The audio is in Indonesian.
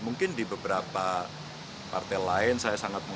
mungkin di beberapa partai lain saya sangat menguntu